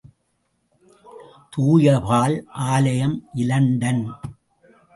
தூய பால் ஆலயம், இலண்டன்.